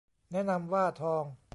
แนะนำว่าทอง